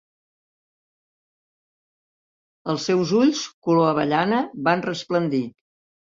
Els seus ulls color avellana van resplendir.